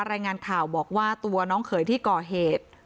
รายงานข่าวบอกว่าตัวน้องเขยที่ก่อเหตุ